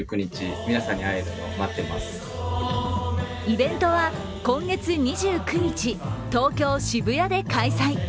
イベントは今月２９日、東京・渋谷で開催。